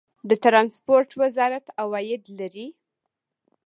د ټرانسپورټ وزارت عواید لري؟